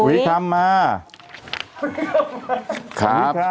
อุ๋ยทำมา